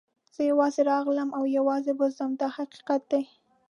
زه یوازې راغلم او یوازې به ځم دا حقیقت دی.